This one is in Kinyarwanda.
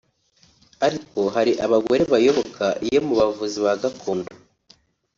ariko hari abagore bayoboka iyo mu bavuzi ba gakondo